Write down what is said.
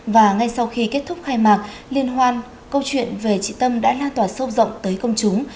và ngay sau khi kết thúc khai mạc liên hoan câu chuyện về chị tâm đã lan tỏa sâu rộng tới công chúng